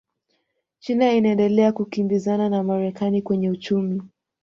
china inaendelea kukimbizana na marekani kwenye uchumi